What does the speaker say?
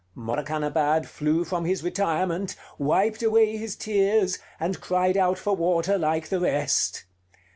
Morakanabad flew from his retirement, wiped away his tears, and cried out for water like the rest.